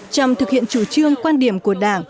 trong thực hiện chủ trương quan điểm của đảng